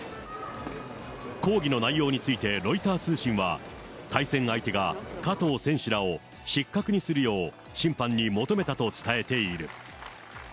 抗議の内容について、ロイター通信は、対戦相手が加藤選手らを失格にするよう、審判に求めたと伝えている。